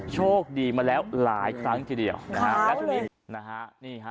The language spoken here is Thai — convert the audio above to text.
โชคดีมาแล้วหลายครั้งทีเดียวขาวเลยนะฮะนี่ฮะ